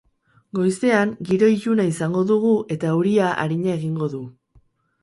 Goizean giro iluna izango dugu eta euria arina egingo du.